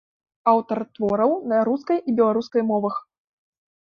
Аўтар твораў на рускай і беларускай мовах.